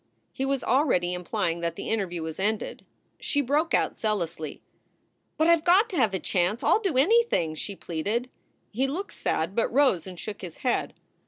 He was already implying that the interview was ended. She broke out zealously : "But I ve got to have a chance. I ll do anything," she pleaded. He looked sad, but rose and shook his head.